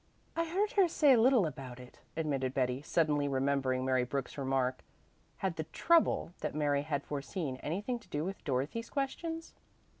"I heard her say a little about it," admitted Betty, suddenly remembering Mary Brooks's remark. Had the "trouble" that Mary had foreseen anything to do with Dorothy's questions?